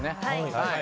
はい。